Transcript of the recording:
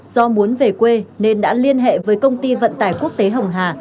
do muốn về quê nên đã liên hệ với công ty vận tải quốc tế hồng hà